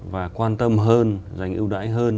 và quan tâm hơn giành ưu đãi hơn